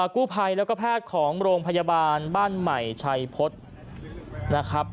กู้ภัยแล้วก็แพทย์ของโรงพยาบาลบ้านใหม่ชัยพฤษนะครับ